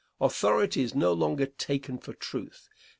Authority is no longer taken for truth.